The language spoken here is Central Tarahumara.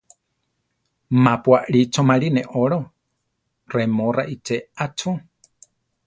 Ma pu aʼlí choʼmarí neʼólo, remó raʼiche ‘a cho.